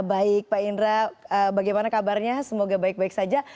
baik pak indra bagaimana kabarnya semoga baik baik saja